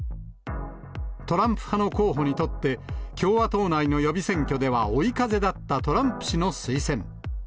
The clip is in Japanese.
トランプ派の候補にとって、共和党内の予備選挙では追い風だったトランプ氏の推薦。